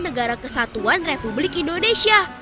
negara kesatuan republik indonesia